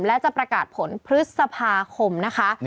และจะประกาศผลพฤษภาคมนะคะ